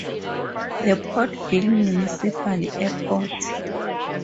The Porterville Municipal Airport.